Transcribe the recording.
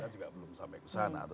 juga belum sampai ke sana